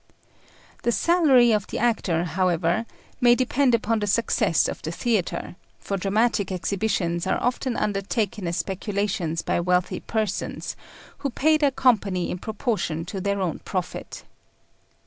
The salary of the actor, however, may depend upon the success of the theatre; for dramatic exhibitions are often undertaken as speculations by wealthy persons, who pay their company in proportion to their own profit.